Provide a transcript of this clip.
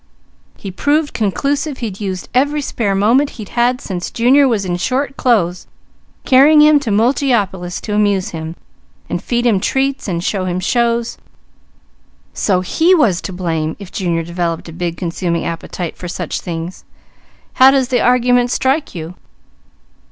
He proved conclusive he'd used every spare moment he'd had since Junior was in short clothes, carrying him to Multiopolis to amuse him, and feed him treats, and show him shows; so he was to blame if Junior developed a big consuming appetite for such things. How does the argument strike you?"